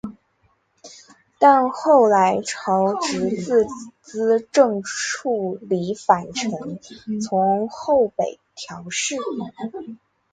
但后来朝直自资正处离反臣从后北条氏。